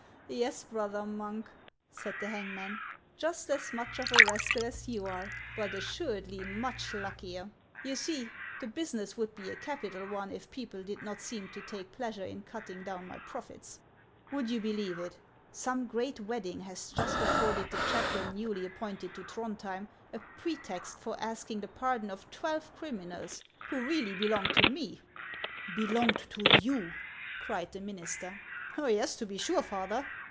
"Yes, brother monk," said the hangman ; "just as much of a rascal as you are, but assuredly much luckier. You see, the business would be a capital one if people did not seem to take pleasure in cutting down my profits. Would you believe it, some great wedding has just afforded the chaplain newly appointed to Throndhjem a pretext for asking the pardon of twelve criminals who really belonged to me ?"" Belonged to you !" cried the minister. " Yes, to be sure, Father.